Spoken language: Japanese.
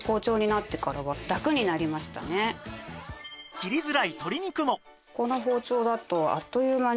切りづらい鶏肉も